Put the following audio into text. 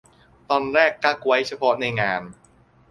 ตอนแรกกั๊กไว้เฉพาะในงาน